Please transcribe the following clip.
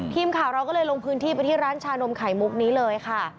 ทีมข่าวเราก็เลยลงพื้นที่ไปที่ร้านชานมไข่มุกนี้เลยค่ะ